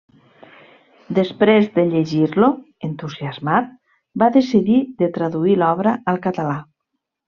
Després de llegir-lo, entusiasmat, va decidir de traduir l'obra al català.